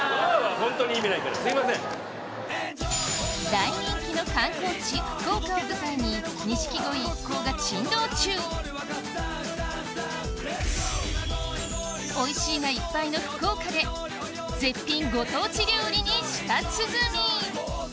大人気の観光地福岡を舞台に錦鯉一行が珍道中おいしいがいっぱいの福岡で絶品ご当地料理に舌鼓！